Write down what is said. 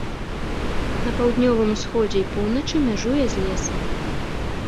На паўднёвым усходзе і поўначы мяжуе з лесам.